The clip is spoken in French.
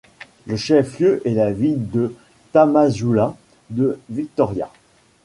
Le chef lieu est la ville de Tamazula de Victoria.